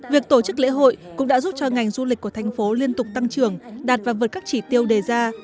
việc tổ chức lễ hội cũng đã giúp cho ngành du lịch của thành phố liên tục tăng trưởng đạt và vượt các chỉ tiêu đề ra